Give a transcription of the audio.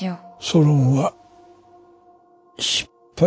ソロンは失敗です。